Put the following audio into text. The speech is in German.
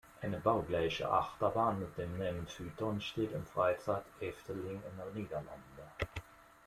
Eine baugleiche Achterbahn mit dem Namen Python steht im Freizeitpark Efteling in den Niederlanden.